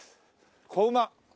子馬。